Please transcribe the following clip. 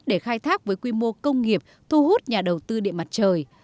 để khai thác với quy mô công nghiệp thu hút nhà đầu tư điện mặt trời